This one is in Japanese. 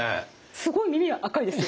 すごい耳赤いですよ